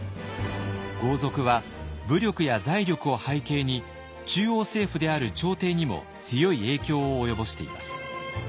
豪族は武力や財力を背景に中央政府である朝廷にも強い影響を及ぼしています。